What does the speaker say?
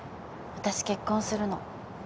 私結婚するの。